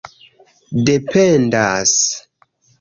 dependas